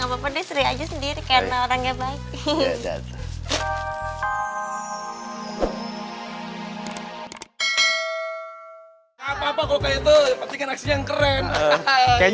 berapa di sri aja sendiri karena orangnya baik hehehe